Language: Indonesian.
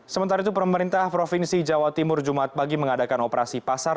sementara itu pemerintah provinsi jawa timur jumat pagi mengadakan operasi pasar